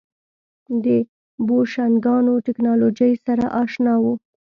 د بوشنګانو ټکنالوژۍ سره اشنا وو.